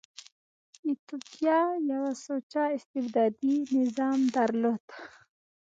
ایتوپیا یو سوچه استبدادي نظام درلود.